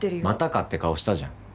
「またか」って顔したじゃん。